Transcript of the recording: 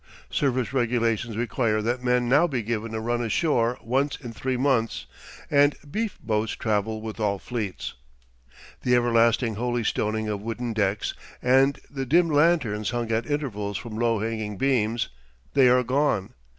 Service regulations require that men now be given a run ashore once in three months; and "beef boats" travel with all fleets. The everlasting holystoning of wooden decks and the dim lanterns hung at intervals from low hanging beams they are gone.